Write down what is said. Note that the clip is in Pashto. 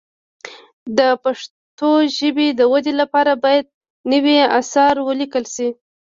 د پښتو ژبې د ودې لپاره باید نوي اثار ولیکل شي.